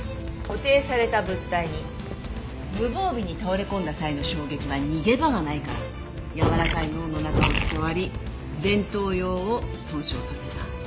固定された物体に無防備に倒れ込んだ際の衝撃は逃げ場がないからやわらかい脳の中を伝わり前頭葉を損傷させた。